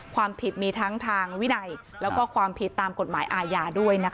ความผิดมีทั้งทางวินัยแล้วก็ความผิดตามกฎหมายอาญาด้วยนะคะ